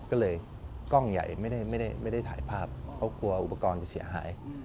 ก็เลยกล้องใหญ่ไม่ได้ถ่ายภาพเขากลัวอุปกรณ์จะเสียหาย